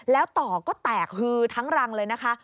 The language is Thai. แล้วต่อก็แตกฮือทั้งรังเลยนะคะ